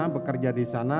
bekerja di sana